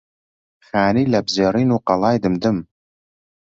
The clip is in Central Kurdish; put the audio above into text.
خانی لەپزێڕین و قەڵای دمدم